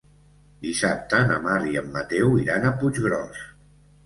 Dissabte na Mar i en Mateu iran a Puiggròs.